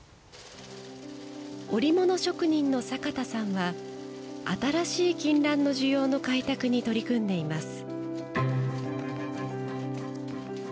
織物職人の坂田さんは新しい金襴の需要の開拓に取り組んでいます。